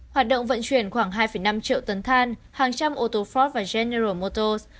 hoạt động vận chuyển khoảng hai năm triệu tấn than hàng trăm ô tô ford và general motors